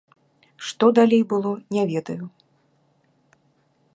Што далей было, не ведаю.